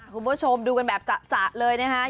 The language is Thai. คุณผู้ชมดูกันแบบจะเลยนะคะ